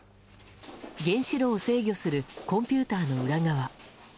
原子炉を制御するコンピューターの裏側。